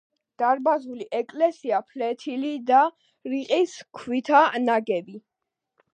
დარბაზული ეკლესია ფლეთილი და რიყის ქვითაა ნაგები.